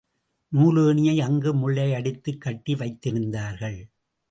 நூலேணியை அங்கு முளையடித்துக் கட்டி வைத்திருந்தார்கள்.